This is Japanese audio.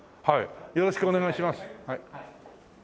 よろしくお願いします。